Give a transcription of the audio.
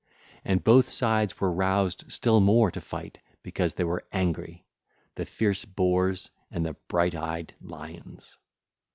And both sides were roused still more to fight because they were angry, the fierce boars and the bright eyed lions.